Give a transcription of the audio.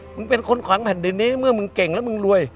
เป็นคนขวางแผ่นดินนี้เมื่อมึงเก่งแล้วมึงรวย